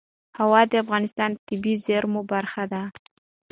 هوا د افغانستان د طبیعي زیرمو برخه ده.